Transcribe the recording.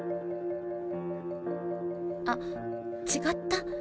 あ違った？